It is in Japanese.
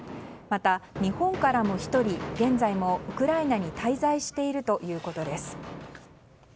また、日本からも１人現在もウクライナに滞在しているということです。